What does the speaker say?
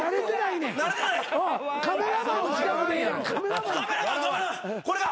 カメラマンこれか。